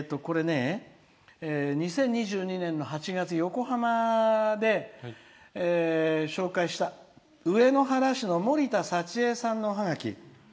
２０２２年の８月横浜で紹介した上野原市のもりたさちえさんのおハガキ。